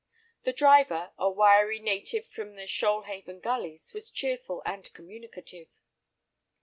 The driver, a wiry native from the Shoalhaven gullies, was cheerful and communicative.